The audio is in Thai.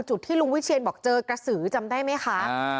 ที่ลุงวิเชียนบอกเจอกระสือจำได้ไหมคะ